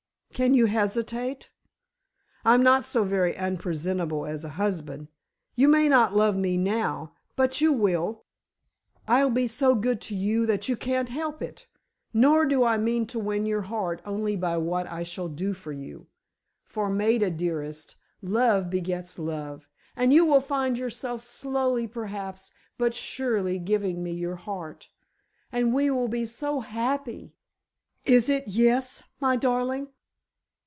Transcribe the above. Can you hesitate? I'm not so very unpresentable as a husband. You may not love me now, but you will! I'll be so good to you that you can't help it. Nor do I mean to win your heart only by what I shall do for you. For, Maida dearest, love begets love, and you will find yourself slowly perhaps, but surely, giving me your heart. And we will be so happy! Is it yes, my darling?"